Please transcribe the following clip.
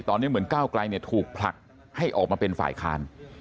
ตอนนี้เหมือนก้าวไกลถูกผลักให้ออกมาเป็นฝ่ายค้าน